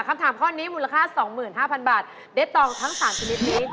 คำถามข้อนี้มูลค่า๒๕๐๐บาทเดตตองทั้ง๓ชนิดนี้